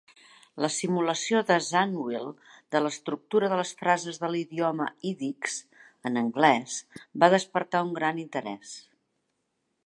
La simulació de Zangwill de l'estructura de les frases de l'idioma ídix, en anglès, va despertar un gran interès.